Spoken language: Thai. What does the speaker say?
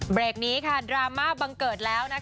เบรกนี้ค่ะดราม่าบังเกิดแล้วนะคะ